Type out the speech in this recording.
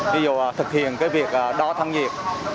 ví dụ thực hiện việc đo thăng nhiệt